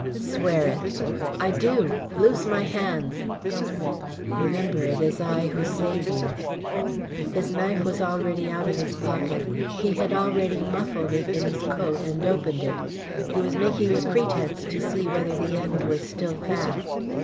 "Swear it." "I do. Loose my hands." "Remember it is I who save you." His knife was already out of his pocket; he had already muffled it in his coat and opened it; he was making a pretence to see whether the end was still fast.